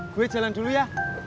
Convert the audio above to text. gue jalan dulu ya